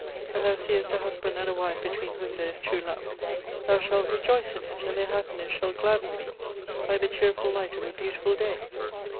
When thou seest a husband and a wife between wliom there is true love, thou shalt rejoice in it, and their happiness shall gladden thee like the cheerful light of a beautiful day.